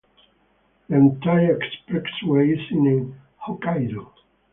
The entire expressway is in Hokkaido.